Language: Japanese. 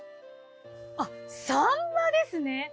あっさんまですね。